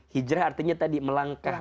hijrah artinya tadi melangkah